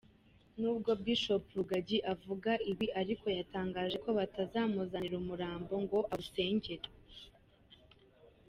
Nubwo Bishop Rugagi avuga ibi ariko yatangaje ko batazamuzanira umurambo ngo awusengere.